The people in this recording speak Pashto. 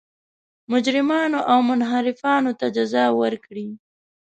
مجرمانو او منحرفانو ته جزا ورکړي.